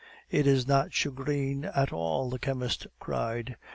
"It is not shagreen at all!" the chemist cried.